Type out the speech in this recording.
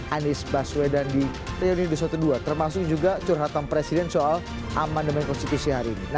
anies baswedan di reuni dua ratus dua belas termasuk juga curhatan presiden soal amandemen konstitusi hari ini